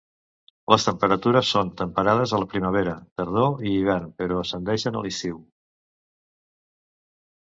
Les temperatures són temperades a la primavera, tardor i hivern, però ascendeixen a l'estiu.